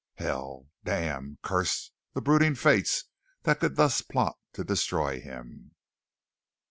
Hell! Damn! Curse the brooding fates that could thus plot to destroy him!